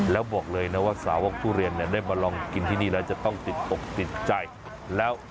แล้วบอกเลยนะว่าสาวกทุเรียนได้มาลองกินที่นี่แล้ว